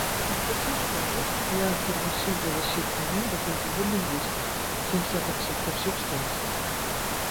En tots dos casos hi ha afirmacions de desxiframent de contingut lingüístic, sense acceptació extensa.